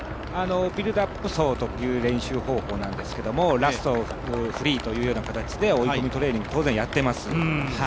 ビルドアップ走という練習方法なんですけど、ラスト、フリーという形で追い込みトレーニング当然やっています。